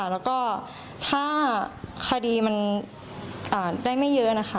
แล้วก็ถ้าคดีมันได้ไม่เยอะนะคะ